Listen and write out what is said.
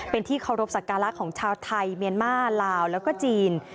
เป็นที่เคารพสักการะของชาวไทยเมียนมาลาวแล้วก็จีน